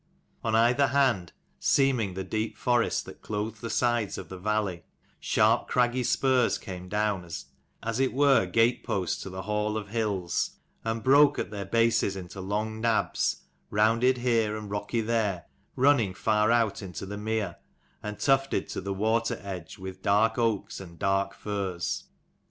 On either hand, seaming the deep forest that clothed the sides of the valley, sharp craggy spurs came down, as it were gateposts to the hall of hills ; and broke at their bases into long nabs, rounded here and rocky there, running far out into the mere and tufted to the water edge with dark oaks and dark firs.